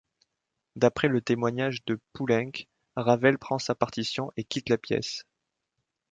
D'après le témoignage de Poulenc, Ravel prend sa partition et quitte la pièce.